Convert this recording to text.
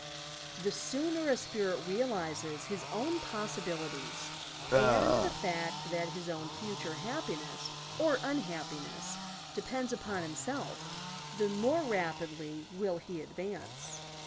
The sooner a spirit realizes his own possibilities, and the fact that his own future happiness or unhappiness depends upon himself, the more rapidly will he advance.